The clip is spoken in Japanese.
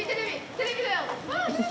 テレビだよ！